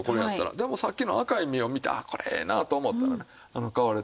でもさっきの赤い身を見てあっこれええなと思ったらね買われて。